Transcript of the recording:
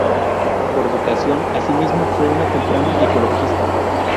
Por vocación, asimismo, fue una temprana ecologista.